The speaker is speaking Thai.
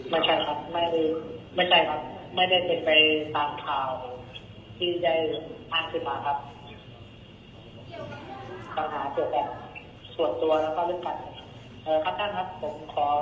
ไม่ใช่ครับไม่ใช่ครับไม่ได้เสร็จไปตามข่าวที่ใจอาธิบายครับ